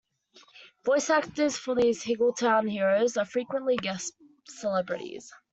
Voice actors for these Higglytown heroes are frequently guest celebrities.